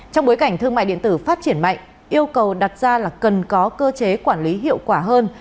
trong bối cảnh thương mại điện tử phát triển mạnh yêu cầu đặt ra là cần có cơ chế quản lý hiệu quả hơn